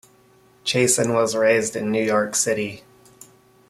Chasin was raised in New York City.